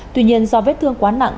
tuy nhiên do vết thương quá nặng